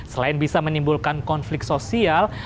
selain bisa menimbulkan konflik sosial